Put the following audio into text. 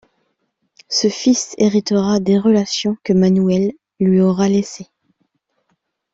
Ce fils héritera des relations que Manuel lui aura laissé.